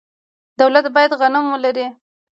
دولت باید غنم واخلي.